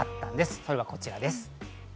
それがこちらです。